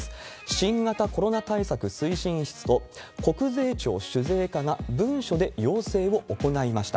新型コロナ対策推進室と、国税庁酒税課が文書で要請を行いました。